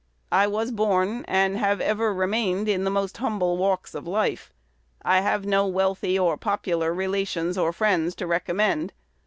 I was born, and have ever remained, in the most humble walks of life. I have no wealthy or popular relations or friends to recommend.